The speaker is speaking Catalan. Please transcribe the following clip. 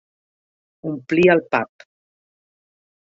Omplir el pap.